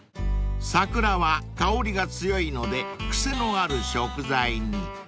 ［サクラは香りが強いのでクセのある食材に］